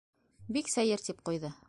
—Бик сәйер! —тип ҡуйҙы.